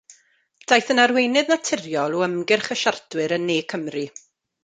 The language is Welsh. Daeth yn arweinydd naturiol o ymgyrch y siartwyr yn Ne Cymru.